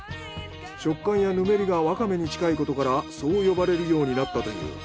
食感やぬめりがワカメに近いことからそう呼ばれるようになったという。